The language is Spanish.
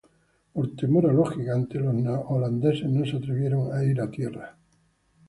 Por temor a los gigantes, los neerlandeses no se atrevieron a ir a tierra.